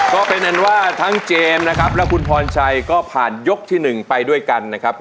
ก็เป็นอันว่าทั้งเจมส์นะครับและคุณพรชัยก็ผ่านยกที่๑ไปด้วยกันนะครับ